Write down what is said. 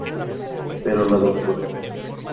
Pero la Dra.